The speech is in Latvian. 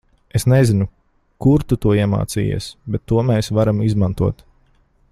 Es nezinu kur tu to iemācījies, bet to mēs varam izmantot.